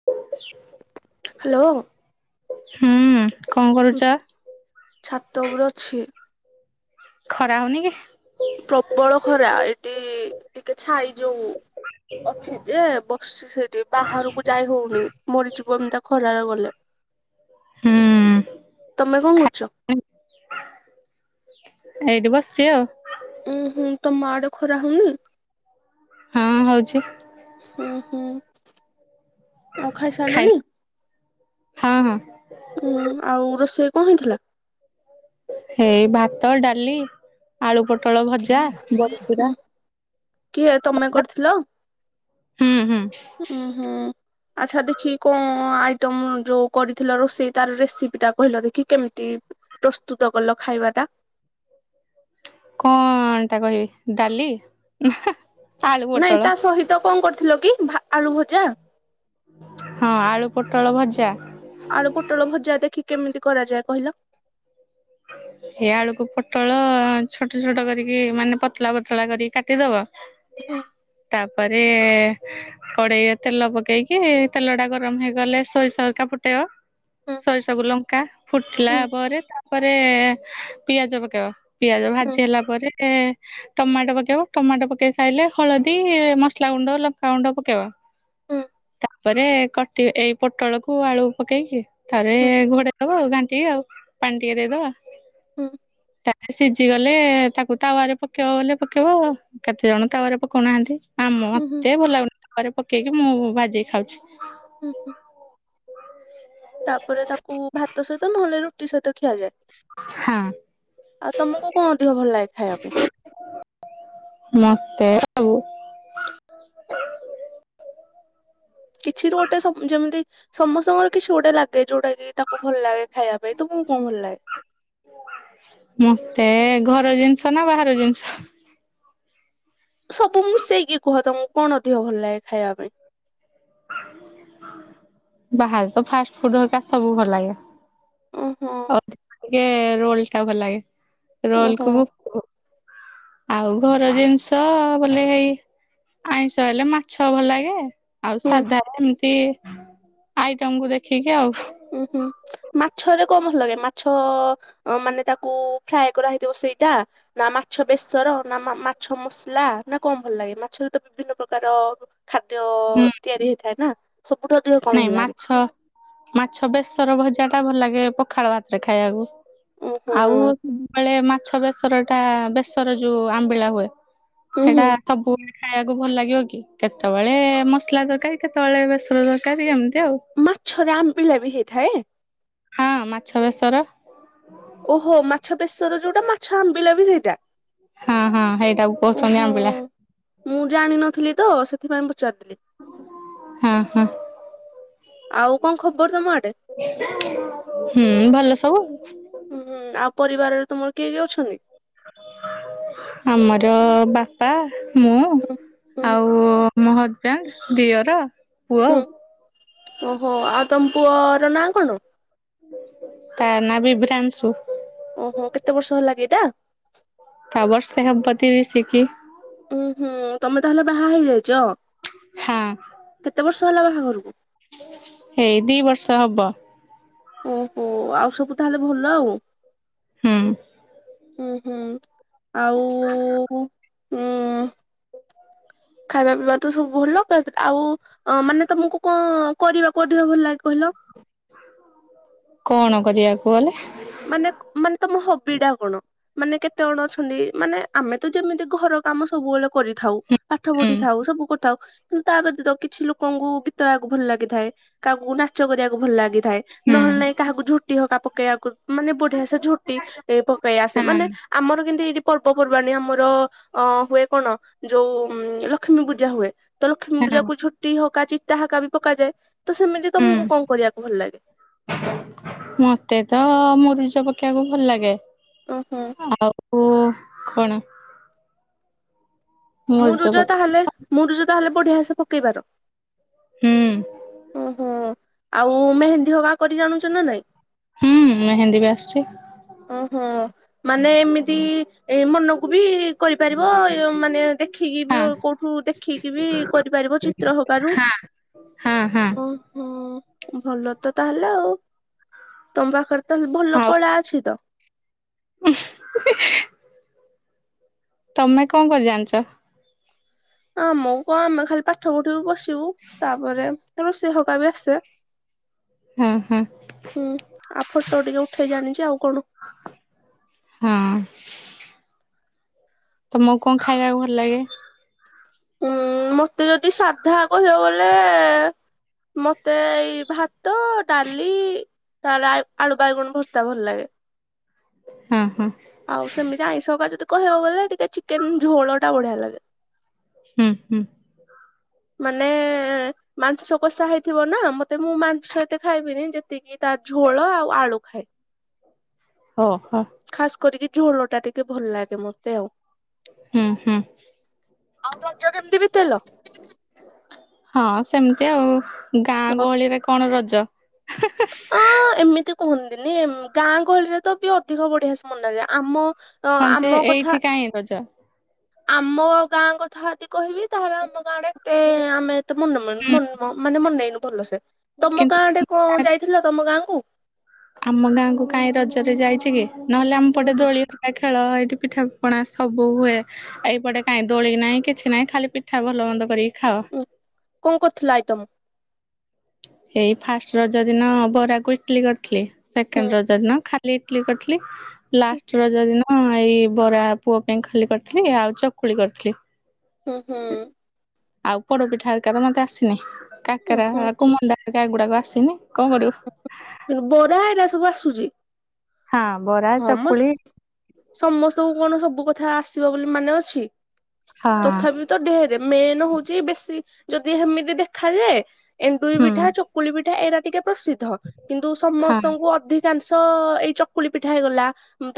[inaudible] Hello. ହୁଁ, କଣ କରୁଛ? ଛାତ ଉପରେ ଅଛି ଖରା ହଉନି କି? ପ୍ରବଳ ଖରା। ଏଠି ଟିକେ ଛାଇ ଯୋଉ ଅଛି ଯେ, ବସିଛି ସେଠି। ବାହାରକୁ ଯାଇ ହଉନି। ମରିଯିବ ଏମିତି ଖରାରେ ଗଲେ। ହୁଁ ତମେ କଣ କରୁଛ? ଖାଇ ଏଇଠି ବସିଛି ଆଉ। ଉୁଁ, ହୁଁ। ତମ ଆଡ଼େ ଖରା ହଉନି? ହଁ, ହଉଛି। ହୁଁ, ହୁଁ। ଆଉ ଖାଇ ଖାଇସାରିଲୁନି? ହଁ, ହଁ। ଉଁ, ଆଉ ରୋଷେଇ କଣ ହେଇଥିଲା? ଏଇ ଭାତ, ଡାଲି, ଆଳୁ ପୋଟଳ ଭଜା, ଉଁ ବଡ଼ିଚୁରା। କିଏ ତମେ କରିଥିଲ? ହୁଁ ହୁଁ ଉଁ। ହୁଁ [inaudible] ଆଚ୍ଛା, ଦେଖି, କଣ ଆଇଟମ୍ ଯୋଉ କରିଥିଲ ରୋଷେଇ, ତାର ରେସିପିଟା କହିଲ ଦେଖି, କେମିତି? ପ୍ରସ୍ତୁତ କଲ ଖାଇବା ଟା। କଣ ଟା କହିବି? ଡାଲି? ଆଳୁ ନାଇଁ, ପୋଟଳ ତା ସହିତ କଣ କରିଥିଲ କି ଭା ଆଳୁ ଭଜା? ହଁ, ଆଳୁ ପୋଟଳ ଭଜା। ଆଳୁ ପୋଟଳ ଭଜା ଦେଖି କେମିତି କରାଯାଏ, କହିଲ? [inaudible] ଏଇ ଆଳୁକୁ, ପୋଟଳ ଛୋଟ ଛୋଟ କରିକି, ମାନେ ପତଳା ପତଳା କରିକି କାଟିଦବ। ହୁଁ ତାପରେ କଡେଇ ତେଲ ପକେଇକି, ତେଲ ଟା ଗରମ ହେଇଗଲେ ସୋରିଷ, ହେରିକା ଫୁଟେଇବ। ହୁଁ ସୋରିଷକୁ, ଲଙ୍କା ଫୁଟିଲା ହୁଁ ପରେ ତାପରେ ପିଆଜ ପକେଇବ। ପିଆଜ ହୁଁ ଭାଜି ହେଲା ପରେ ଟମାଟୋ ପକେଇବ। ଟମାଟୋ ପକେଇ ସାରିଲେ ହଳଦୀ, ମସଲା ଗୁଣ୍ଡ, ଲଙ୍କାଗୁଣ୍ଡ ପକେଇବ। ହୁଁ ତାପରେ କଟି, ଏଇ ପୋଟଳକୁୁ, ଆଳୁ ପକେଇକି ଥରେ ହୁଁ ଘୋଡ଼େଇ ଦବ ଆଉ, ଘାଣ୍ଟିିକି ଆଉ ପାଣି ଟିକେ ଦେଇଦବା। ହୁଁ ତାଦିହରେ ସିଜିଗଲେ, ତାକୁ ତାୱାରେ ପକେଇବ, ବୋଲେ ପକେଇବ। କେତେ ଜଣ ତାୱା ରେ ପକୋଉ ନାହାନ୍ତି। ଆ ହୁଁ ହୁଁ ମତେ ଭଲ ଲାଗୁନି ତାୱା ରେ ପକେଇକି ମୁଁ ଭାଜିକି ଖାଉଚି। ହୁଁ ହୁଁ। ତାପରେ ତାକୁ ଭାତ ସହିତ ନହେଲେ ରୁଟି ସହିତ ଖିଆଯାଏ। ହଁ ଆଉ ତମକୁ କଣ ଅଧିକ ଭଲ ଲାଗେ ଖାଇବା ପାଇଁ? ମତେ ହଉ [unintelligible] କିଛି ରୁ ଗୋଟେ ସବ୍ ଯେମିତି ସମସ୍ତଙ୍କର କିଛି ଗୋଟେ ଲାଗେ ଯୋଉଟା କି ତାକୁ ଭଲ ଲାଗେ ଖାଇବା ପାଇଁ ତମକୁ କଣ ଭଲ ଲାଗେ? ମତେ ଘର ଜିନିଷ ନା ବାହାର ଜିନିଷ? ସବୁ ମିଶେଇକି କୁହ ତମକୁ କଣ ଅଧିକ ଭଲ ଲାଗେ ଖାଇବା ପାଇଁ? ବାହାରେ ତ ଫାଷ୍ଟ ଫୁଡ୍ ହେରିକା ସବୁ ଭଲ ଲାଗେ। ଓହୋ ଆଧିକ ଟିକେ ରୋଲ୍ ଟା ଭଲ ଲାଗେ ରୋଲ୍ ଓହୋ କୁ ଆଉ ଘର ଜିନିଷ ବୋଲେ ଏଇ ଆଇଁଷ ହେଲେ ମାଛ ଭଲ ଲାଗେ। ଆଉ ହୁଁ। ସାଧା ଏମ୍ତି ଆଇଟମକୁ ଦେଖିକି ଆଉ। ଉୁଁ ହୁଁ ମାଛରେ କଣ ଭଲ ଲାଗେ ମାଛ ମାନେ ତାକୁ ଫ୍ରାଏ କରାହେଇଥିବ ସେଇଟା ନା ମାଛ ବେସର ନା ମା ମାଛ ମସଲା ନା କଣ ଭଲ ଲାଗେ ମାଛରେ ତ ବିଭିନ୍ନ ପ୍ରକାର ଖାଦ୍ୟ ହୁଁ ତିଆରି ହେଇଥାଏ ନା ସବୁଠୁ ଅଧିକ କଣ ଭଲ ନାଇଁ ଲାଗେ? ମାଛ ମାଛ ବେଶର ଭଜା ଟା ଭଲ ଲାଗେ ପଖାଳ ଭାତରେ ଖାଇବାକୁ। ଓହୋ ଆଉ ସବୁବେଳେ [unintelligible] ମାଛ ବେସର ଟା ବେସର ଯୋଉ ଆମ୍ବିଳା ହୁଏ। ଉୁଁ ହୁଁ ହେଟା ସବୁବେଳେ ଖାଇବାକୁ ଭଲ ଲାଗିବ କି କେତେବେଳେ ମସଲା ତରକାରୀ କେତେବେଳେ ବେସର ତର କାରୀ ଏମ୍ତି ଆଉ। ମାଛରେ ଆମ୍ବିଳା ବି ହେଇଥାଏ? ହଁ ମାଛ ବେସର। ଓହୋ ମାଛ ବେଶର ଯୋଉଟା ମାଛ ଆମ୍ବିଳା ବି ସେଇଟା? ହଁ ହଁ ହେଇଟାକୁ କୋହୁଚନ୍ତି ଓହୋ ଆମ୍ବିଳା। ମୁଁ ଜାଣିନଥିଲି ତ ସେଥିପାଇଁ ପଚାରିଥିଲି। ହୁଁ ହୁଁ। [unintelligible] ଆଉ କଣ ଖବର ତମ ଆଡେ? ହୁଁ ଭଲ ସବୁ ଆଉ। ହୁଁ ହୁଁ ଆଉ ପରିବାରରେ ତୁମର କିଏ କିଏ ଅଛନ୍ତି? ଆମର ବାପା, ମୁଁ ହୁଁ ହୁଁ ଆଉ ମୋ ହଜବ୍ୟାଣ୍ଡ, ଦିଅର, ପୁଅ। ହୁଁ ଓହୋ ଆଉ ତମ ପୁଅ ର ନାଁ କଣ? ତା ନାଁ ବିବ୍ରାଂଶୁ। ଓହୋ କେତେ ବର୍ଷ ହେଲାକି ଏଟା? ତା ବର୍ଷେ ହବ ତିରିଶିକି। ଉଁ ହୁଁ ତମେ ତାହେଲେ ବାହା ହେଇଯାଇଚ? ହଁ। କେତେ ବର୍ଷ ହେଲା ବାହାଘରକୁ? ହେଇ ଦି ବର୍ଷ ହବ। ଓହୋ ଆଉ ସବୁ ତାହେଲେ ଭଲ ଆଉ। ହୁଁ। ହୁଁ ହୁଁ ଆଉ ଉଁ ଖାଇବା ପିଇବା ତ ସବୁ ଭଲ ପଦ୍ ଆଉ ଅ ମାନେ ତମକୁ କଣ କରିବାକୁ ଅଧିକ ଭଲ ଲାଗେ କହିଲ? କଣ କରିବାକୁ ବଲେ। ମାନେ ମାନେ ତମ ହବି ଟା କଣ? ମାନେ କେତେ ଜଣ ଅଛନ୍ତି ମାନେ ଆମେ ତ ଯେମିତି ଘର କାମ ସବୁବେଳେ କରିଥାଉ। ପାଠ ହୁଁ ପଢ଼ିଥାଉ ସବୁ କରିଥାଉ କିନ୍ତୁ ତା ବ୍ୟତୀତ କିଛି ଲୋକଙ୍କୁ ଗୀତ ଗାଇବାକୁ ଭଲ ଲାଗିଥାଏ। କାହାକୁ ନାଚ କରିବାକୁ ଭଲ ଲାଗିଥାଏ ହୁଁ ନହେଲେ କାହାକୁ ଝୋଟି ହକା ପକେଇବାକୁ ମାନେ ବଢ଼ିଆ ସେ ଝୋଟି ଏ ପକେଇ ଆସେ ହଁ ମାନେ ଆମର କିନ୍ତି ଏଠି ପର୍ବପର୍ବାଣୀ ଆମର ଅ ହୁଏ କଣ ଯଉ ଲକ୍ଷ୍ମୀ ପୂଜା ହୁଏ। ତ ଲକ୍ଷ୍ମି ହଁ ପୂଜାକୁ ଝୋଟି ହକା ଚିତା ହାକା ବି ପକାଯାଏ ତ ସେମିତି ହୁଁ ତମକୁ କଣ କରିବାକୁ ଭଲ ଲାଗେ? ମତେ ତ ମରୁଜ ପକେଇବାକୁ ଭଲ ଲାଗେ। ଓ ହୋ। [inaudible] ଆଉ କଣ? ମୁରୁଜ ତାହେଲେ ମୁରୁଜ ତାହେଲେ ବଢ଼ିଆସେ ପକେଇପାର। ହୁଁ ହୁଁ ହୁଁ ଆଉ ମେହେନ୍ଦୀ ହକା କରି ଜାଣୁଛ ନା ନାଇଁ? ହୁଁ ମେହେନ୍ଦୀ ବି ଆସୁଛି। ହଁ ହଁ ମାନେ ଏମିତି ଏ ମନକୁ ବି କରିପାରିବ ମାନେ ଦେଖିକି ହଁ ବି କଉଠୁ ଦେଖିକି ବି କରିପାରିବ ଚିତ୍ର ହକାରୁ ହଁ। [inaudible] ହଁ ହଁ। ଓହୋ ଭଲ ତ ତାହେଲେ ଆଉ। ତମ ପାଖରେ ତ ଭଲ ଆଉ କଳା ଅଛି ତ। ତମେ କଣ କରି ଜାଣିଛ? ଆମକୁ କଣ ଆମେ ଖାଲି ପାଠ ପଢ଼ିବୁ ଆସିବୁ ତାପରେ ରୋଷେଇ ହକା ବି ଆସେ। ହଁ ହଁ ଆଉ ଫଟୋ ଟିକେ ଉଠେଇ ଜାଣିଛି ଆଉ କଣ। ହଁ। ତମକୁ କଣ ଖାଇବାକୁ ଭଲ ଲାଗେ? ଉଁ ମତେ ଯଦି ସାଧା କହିବ ବୋଲେ ମତେ ଭାତ ଡାଲି ତାହେଲେ ଆଳୁ ବାଇଗଣ ଭର୍ତ୍ତା ଭଲ ଲାଗେ। ହଁ ହଁ। ଆଉ ସେମିତି ଆଇଁଷକା ଯଦି କହିବ ବଲେ ଟିକେ ଚିକେନ୍ ଝୋଳ ଟା ବଢ଼ିଆ ଲାଗେ। ହୁଁ ହୁଁ। ମାନେ ମାଂସ କଷା ହେଇଥିବ ନା ମତେ ମୁଁ ମାଂସ ଏତେ ଖାଇବିନି ଯେତିକି ତାର ଝୋଳ ଆଉ ଆଳୁ ଖାଏ। ଓହୋ। ଖାସ୍ କରିକି ଝୋଳଟା ଟିକେ ଭଲ ଲାଗେ ମତେ ଆଉ। ହୁଁ ହୁଁ। ଆଉ ରଜ କେମିତି ବିତେଇଲ? ହଁ ସେମିତି ଆଉ ଗାଁ ଗହଳିରେ କଣ ରଜ? ହିଁ ହିଁ। [inaudible] ଅଁ ଏମିତି କୁହନ୍ତିନି ଗାଁ ଗହଳିରେ ତ ବି ଅଧିକ ବଢ଼ିଆ ସେ ମନ ଲାଗେ ଆମ ତ ହଁ ଯେ ଆମ କଥା ଏଇଠି କାହିଁ ରଜ ଆମ ଗାଁ କଥା ଯଦି କହିବି ତାହେଲେ ଆମ ଗାଁରେ ଏତେ ଆମେ ଏତେ ମନ ହୁଁ ମାନେ ମନେଇନୁ ଭଲସେ ତମ ଗାଁ କିନ୍ତୁ ଆଡ଼େ କଣ ଯାଇଥିଲ ତମ ଗାଁ କୁ? ଆମ ଗାଁକୁୁ କାଇଁ ରଜରେ ଯାଇଛି କି ନହେଲେ ଆମ ହୁଁ ପଟେ ଦୋଳି ଏ ଖେଳ ଏଇଠି ପିଠା ପଣା ସବୁ ହୁଏ। ଏଇପଟେ କାଇଁ ଦୋଳି ନାହିଁ କିଛି ନାହିଁ ଖାଲି ପିଠା ଭଲ ମନ୍ଦ କରିକି ଖାଅ। କଣ କରୁଥିଲ ଆଇଟମ? ଏଇ ଫାଷ୍ଟ ରଜ ଦିନ ବରାକୁ ଇଟଲି କରିଥିଲି ସେକେଣ୍ଡ ହୁଁ ରଜ ଦିନ ଖା ଲି ଇଟଲି କରିଥିଲି ଲାଷ୍ଟ ରଜା ଦିନ ହଁ ଏଇ ବରା ପୁଅ ପାଇଁ ଖାଲି କରିଥିଲି ଆଉ ଚକୁଳି କରିଥିଲି। ହୁଁ ହୁଁ। ଆଉ ପୋଡପିଠା ହରିକା ତ ମତେ ଆସିନି କାକରା ହୁଁ କୁ ମଣ୍ଡା ପିଠା ଗୁଡ଼ାକୁ ଆସିନି କଣ କରିବୁ? ବରା ଏରା ସବୁ ଆସୁଛି। ହଁ ବରା ହଁ ମ ଚକୁଳି ସମସ୍ତଙ୍କୁ କଣ ସବୁ କଥା ଆସିବ ବୋଲି ମାନେ ଅଛି ହଁ ତଥାବି ତ ଢେରେ ମେନ୍ ହଉଚ ବେଶୀ ଯଦି ଏମିତି ଦେଖାଯାଏ ଏଣ୍ଡୁରି ହୁଁ ପିଠା, ଚକୁଳି ପିଠା ଏଇରା ଟିକେ ପ୍ରସିଦ୍ଧ କିନ୍ତୁ ହଁ ସମସ୍ତଙ୍କୁ ଅଧିକ ଅଧିକାଂଶ ଏଇ ଚକୁଳି ପିଠା ହେଇଗଲା,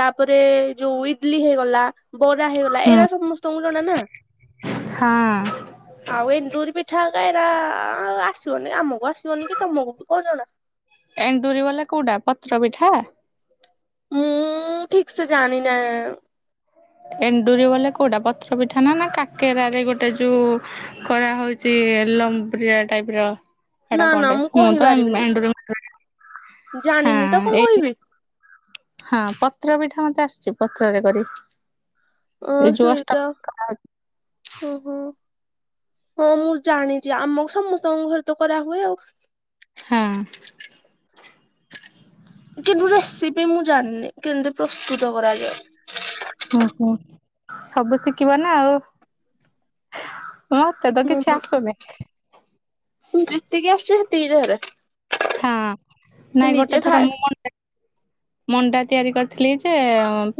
ତାପରେ ଯୋଉ ଇଡଲି ହେଇଗଲା। ବରା ହେଇଗଲା ହୁଁ ଏଇରା ସମସ୍ତଙ୍କୁ ଜଣା ନା। ହଁ ଆଉ ଏଣ୍ଡୁରି ପିଠା [unintelligible] ଆସିବନି ଆମକୁ ଆସିବନି କି ତମକୁ ବି କଣ ଜଣା। ଏଣ୍ଡୁରି ବାଲା କୋଉଟା ପତ୍ର ପିଠା। ମୁଁ ଠିକ୍ ସେ ଜାଣିନା। ଏଣ୍ଡୁରି [unintelligible] କୋଉଟା ପତ୍ର ପିଠା ନା ନା କାକେରା ରେ ଗୋଟେ ଯୋଉ। କରା ହଉଛି ଲମ୍ବ୍ରିଆ ଟାଇପ ର [unintelligible] ନା କଣ ନା ଟେ ମୁଁ ତ କହିପାରିବିନି। ଏଣ୍ଡୁ-ଏଣ୍ଡୁରି ଜାଣିନି ତ କଣ ଏଇ କହିବି। ହଁ, ପତ୍ର ପିଠା ମତେ ଆସିଛି ପତ୍ରରେ କରି। ହଁ ଏଇ ଯୋଉ ସେଇଟା ଅଷ୍ଟମୀ କରାହଉଛି ହୁଁ ହୁଁ। ହଁ, ମୁଁ ଜାଣିଛି ଆମକୁ ସମସ୍ତଙ୍କ ଘରେ ତ କରାହୁଏ, ଆଉ। ହାଁ କିନ୍ତୁ ରେସିପି ମୁଁ ଜାଣିନି କେମିତି ପ୍ରସ୍ତୁତ କରାଯାଏ। ହୁଁ, ହୁଁ ସବୁ ଶିଖିବ ନା ଆଉ। ମତେ ତ କିଛି ଆସୁନି। ଯେତିକି ଆସୁଛି ସେତିକି କରେ। ହଁ, ନାଇଁ ଗୋଟେ ଥର ଖାଏ ମୁଁ ମଣ୍ଡା-ମଣ୍ଡା ତିଆରି କରିଥିଲି ଯେ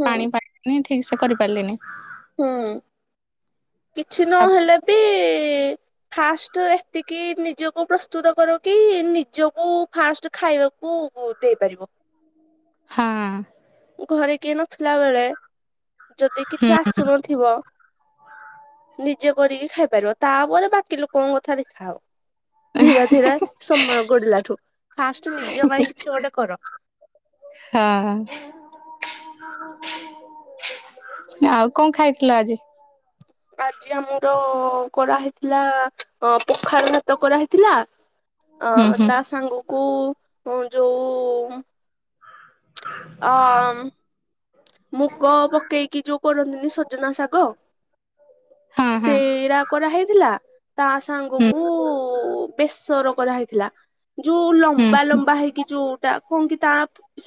ହୁଁ ପାଣି [unintelligible] ଠିକ ସେ କରି ପାରିଲିନି। ହୁଁ, କିଛି ନହେଲେ ବି ଫାଷ୍ଟ ଏତିକି ନିଜକୁ ପ୍ରସ୍ତୁତ କର କି ନିଜକୁ ଫାଷ୍ଟ ଖାଇବାକୁ କୁ କୋ ଦେଇପାରିବ। ହାଁ। ଘରେ କିିଏ ନଥିଲା ବେଳେ, ଯଦି କିଛି ଆସୁନଥିବ ନିଜେ କରିକି ଖାଇପାରିବ, ତାପରେ ବାକି ଲୋକଙ୍କ କଥା ଦେଖାହବ। ଧୀରେ ଧୀରେ ସମୟ ଗୋଡିଲାଠୁ ଫାଷ୍ଟ ନିଜ ପାଇଁ କିଛି ଗୋଟେ କର। ହଁ। ଆଉ କଣ ଖାଇଥିଲ ଆଜି? ଆଜି ଆମର କରାହେଇଥିଲା, ପଖାଳ ଭାତ କରାହେଇଥିଲା ଆ ହୁଁ ହୁଁ ତା ସାଙ୍ଗକୁ ଯୋଉ ଆ ମୁଗ ପକେଇକି ଯୋଉ କରନ୍ତିନି ସଜନା ଶାଗ ହଁ ହଁ ସେଇରା କରାହେଇଥିଲା ତା ସାଙ୍ଗ ହୁଁ କୁ ବେସର କରାହେଇଥିଲା। ଯୋଉ ହୁଁ ଲମ୍ବା ହୁଁ ଲମ୍ବା ହେଇକି ଯୋଉଟା? କଣ କି ତା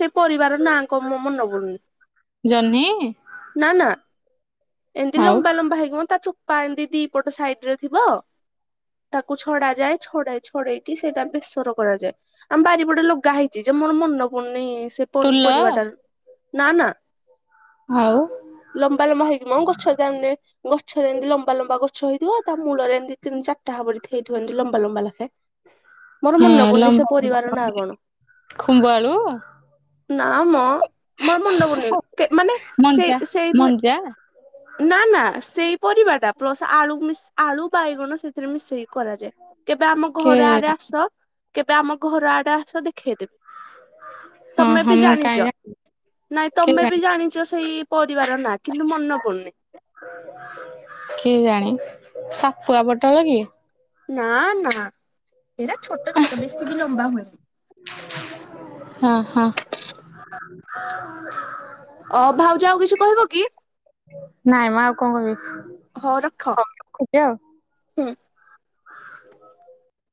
ସେ ପରିବାର ନାଁ କଣ? ମୋ ମନେ ପଡୁନି। ଜହ୍ନି? ନାନା ଏମିତି ଆଉ ଲମ୍ବା ଲମ୍ବା ହେଇକି ମ, ତା ଚୋ- ପାଣି ଦି ଦିପଟ ସାଇଟ ରେ ଥିବ‌ ତାକୁ ଛଡାଯାଏ। ଛଡେଇ, ଛଡେଇକି ସେଇଟା ବେସର କରାଯାଏ। ଆମ ବାରିପଟେ ଲଗା ହେଇଛି ଯେ, ମୋର ମନ ପଡୁନେଇ ସେ ଟୁଲ ପରିବା ଟାର ନା, ନା। ଆଉ ଲମ୍ବା ଲମ୍ବା ହେଇକି ମ, ଗଛ ରେ [unintelligible] ଗଛରେ ଏମିତି ଲମ୍ବା ଲମ୍ବା ଗଛ ହେଇଥିବ, ତା ମୂଳରେ ଏମତି ତିନି ଚାରିଟା ହବାର ହେଇଥିବ, ଏ ଲମ୍ବା ଲମ୍ବା ଲେଖେ। ମୋର ମନେ ପଡୁନି ସେ ପରିବାର ନା କଣ? ଖୁମ୍ବ ଆଳୁ? ନା ମ ମୋର ମନେପଡୁନି, ମାନେ ସେଇ ମଞ୍ଜା ସେଇଥି ମଞ୍ଜା ନା, ନା ସେଇ ପରିବାଟା, ପ୍ଲସ୍ ଆଳୁ ମିସ୍ ଆଳୁ ବାଇଗଣ ସେଥିରେ ମିଶେଇକି କରାଯାଏ। କେବେ ଆମ କେ ଘରେ ଆଡେ ଆସ? କେବେ ଆମ ଘର ଆଡେ ଆସ ଦେଖେଇଦେବି? ହଁ ତମେ ହଁ ବି ମୁଁ କାହିଁ ଜାଣିଛ? ଜାଣି ନାଇଁ କେ ତମେ ବି ଜାଣି ଜାଣିଛ ସେଇ ପରିବାର ନାଁ? କିନ୍ତୁ ମନେ ପଡୁନି। କିଏ ଜାଣି? ସାପୁଆ ପଟଲ କି। ନା ନା ଏରା ଛୋଟ ଛୋଟ। ବେଶୀ ବି ଲମ୍ବା ହୁଏନି। ହଁ, ହଁ। ଅ ଭାଉଜ ଆଉ କିଛି କହିବ କି? ନାଇଁ, ମ ଆଉ କଣ କହିବି, ହଉ ରଖ। ହଉ ରଖୁଚି ଆଉ? ହୁଁ। ହ [unintelligible]